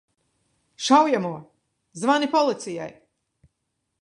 Šaujamo! Zvani policijai!